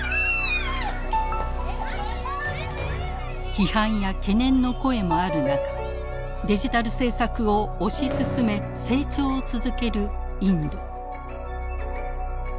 批判や懸念の声もある中デジタル政策を推し進め成長を続けるインド。